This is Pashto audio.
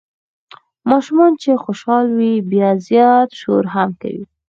ماشومان چې خوشال وي بیا زیات شور هم کوي.